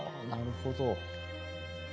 なるほど。